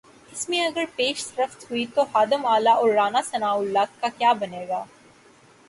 اس میں اگر پیش رفت ہوئی تو خادم اعلی اور رانا ثناء اللہ کا کیا بنے گا؟